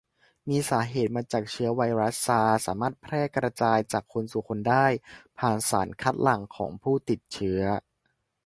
มีสาเหตุมาจากเชื้อไวรัสซาร์ส สามารถแพร่กระจายจากคนสู่คนได้ผ่านสารคัดหลั่งของผู้ติดเชื้อ